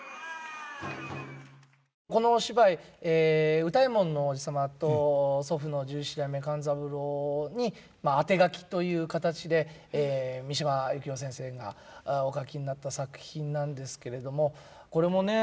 このお芝居歌右衛門のおじ様と祖父の十七代目勘三郎にあてがきという形で三島由紀夫先生がお書きになった作品なんですけれどもこれもね